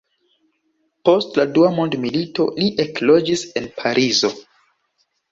Post la dua mondmilito li ekloĝis en Parizo.